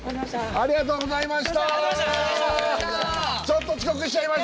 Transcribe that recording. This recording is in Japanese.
ありがとうございます！